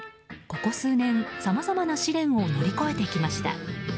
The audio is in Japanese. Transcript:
ここ数年、さまざまな試練を乗り越えてきました。